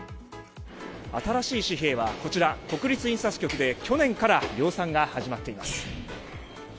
新しい紙幣は国立印刷局で去年から量産が始まっています。